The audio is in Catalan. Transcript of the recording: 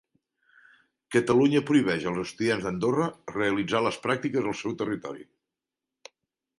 Catalunya prohibeix als estudiants d'Andorra realitzar les pràctiques al seu territori